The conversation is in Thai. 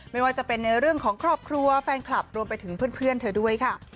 ไม่ว่าจะเป็นในเรื่องของครอบครัวแฟนคลับรวมไปถึงเพื่อนเธอด้วยค่ะ